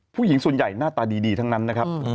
ผู้หญิงส่วนใหญ่หน้าตาดีทั้งนั้นนะครับ